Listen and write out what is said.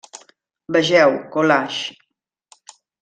Vegeu: collage.